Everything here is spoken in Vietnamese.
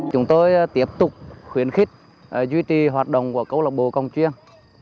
chúng tôi tiếp tục khuyến khích duy trì hoạt động của công chiêng